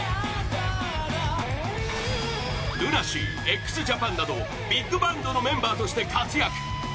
ＬＵＮＡＳＥＡＸＪＡＰＡＮなどビッグバンドのメンバーとして活躍